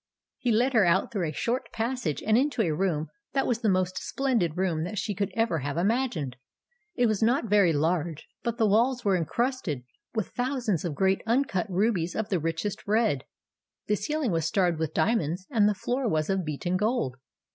He led her out through a short passage, and into a room that was the most splendid room that she could ever have imagined. It was not very large ; but the walls were encrusted with thousands of great uncut rubies of the richest red, the ceiling was starred with diamonds, and the floor was of beaten gold.